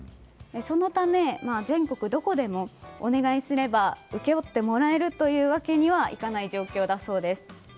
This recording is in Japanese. そのため、全国どこでもお願いすれば請け負ってもらえるというわけにはいかない状況だそうです。